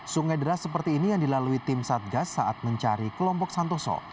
sungai deras seperti ini yang dilalui tim satgas saat mencari kelompok santoso